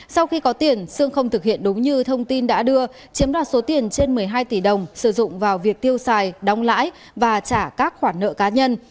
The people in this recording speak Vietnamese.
sau khi có tiền sương không thực hiện đúng như thông tin đã đưa chiếm đoạt số tiền trên một mươi hai tỷ đồng sử dụng vào việc tiêu xài đóng lãi và trả các khoản nợ cá nhân